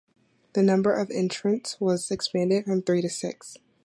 The number of entrants was expanded from three to six.